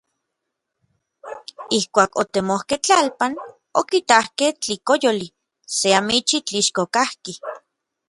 Ijkuak otemokej tlalpan, okitakej tlikoyoli, se amichij tlixko kajki.